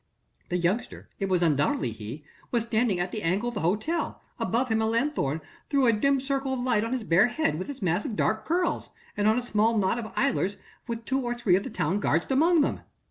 The youngster it was undoubtedly he was standing at the angle of the hotel: above him a lanthorn threw a dim circle of light on his bare head with its mass of dark curls, and on a small knot of idlers with two or three of the town guard amongst them.